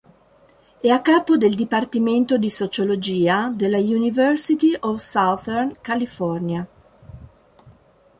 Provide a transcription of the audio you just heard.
È a capo del dipartimento di sociologia della University of Southern California.